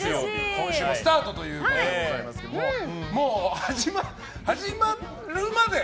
今週もスタートということですがもう、始まるまで。